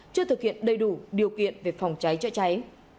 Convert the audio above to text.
chưa thực hiện đầy đủ điều kiện về phòng cháy chữa cháy